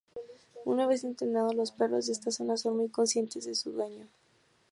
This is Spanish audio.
Una vez entrenados, los perros de esta raza son muy conscientes de su dueño.